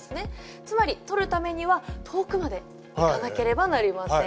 つまり取るためには遠くまで行かなければなりません。